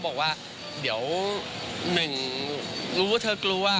บอกว่าเดี๋ยวหนึ่งรู้ว่าเธอกลัว